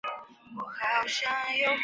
近年一日平均上车人次推移如下表。